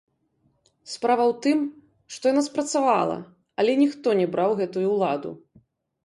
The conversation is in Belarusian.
Справа ў тым, што яна спрацавала, але ніхто не браў гэтую ўладу!